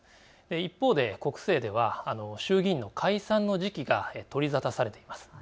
一方で国政では衆議院の解散の時期が取り沙汰されています。